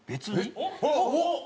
おっ！